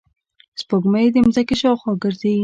سپوږمۍ د ځمکې شاوخوا ګرځي